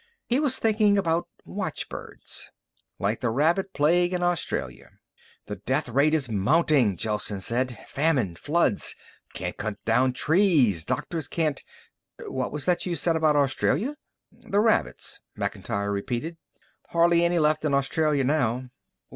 He was thinking about watchbirds. "Like the rabbit plague in Australia." "The death rate is mounting," Gelsen said. "Famine. Floods. Can't cut down trees. Doctors can't what was that you said about Australia?" "The rabbits," Macintyre repeated. "Hardly any left in Australia now."